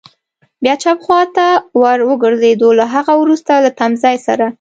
بیا چپ خوا ته ور وګرځېدو، له هغه وروسته له تمځای سره.